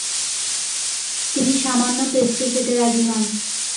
তিনি সামান্য পেস্ট্রি খেতে রাজি হন।